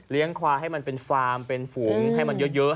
ควายให้มันเป็นฟาร์มเป็นฝูงให้มันเยอะ